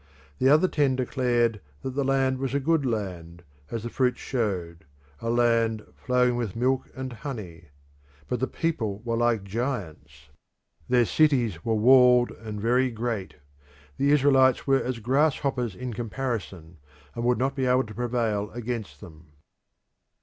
The other ten declared that the land was a good land, as the fruits showed a land flowing with milk and honey; but the people were like giants; their cities were walled and very great; the Israelites were as grasshoppers in comparison, and would not be able to prevail against them.